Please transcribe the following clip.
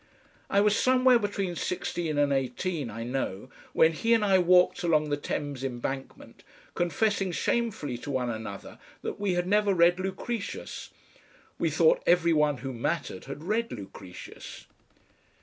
I was somewhere between sixteen and eighteen, I know, when he and I walked along the Thames Embankment confessing shamefully to one another that we had never read Lucretius. We thought every one who mattered had read Lucretius.